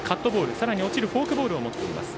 さらに、落ちるフォークボールを持っています。